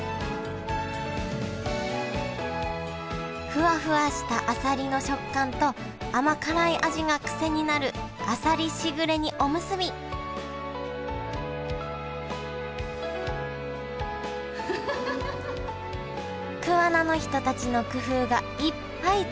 ふわふわしたあさりの食感と甘辛い味が癖になるあさりしぐれ煮おむすび桑名の人たちの工夫がいっぱい詰まったおむすびです